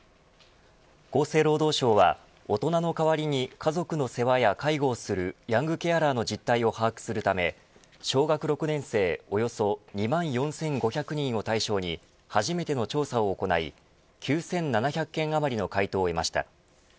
厚生労働省は大人の代わりに家族の世話や介護をするヤングケアラーの事態を把握するため小学６年生およそ２万４５００人を対象に初めての調査を行い９７００件あまりの回答を得ました。